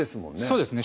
そうですね